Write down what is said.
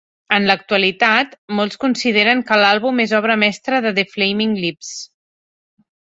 En l'actualitat, molts consideren que l'àlbum és l'obra mestra de The Flaming Lips.